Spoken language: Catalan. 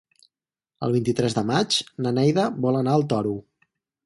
El vint-i-tres de maig na Neida vol anar al Toro.